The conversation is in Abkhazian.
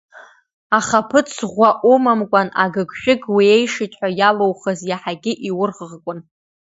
Ахаԥыц ӷәӷәа умамкәан, агыгшәыг уеишит ҳәа иалоухыз, иаҳагьы иурӷыӷкуан.